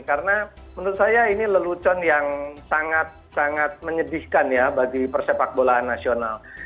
karena menurut saya ini lelucon yang sangat sangat menyedihkan ya bagi persepak bola nasional